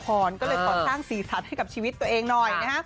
ก็เลยขอสร้างสีสันให้กับชีวิตตัวเองหน่อยนะฮะ